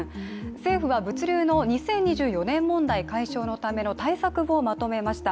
政府は物流の２０２４年問題解消のための対策をまとめました。